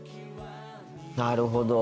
なるほど。